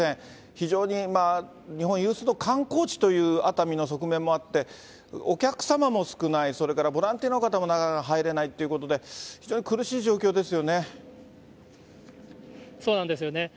非常に日本有数の観光地という熱海の側面もあって、お客様も少ない、それからボランティアの方もなかなか入れないということで、そうなんですよね。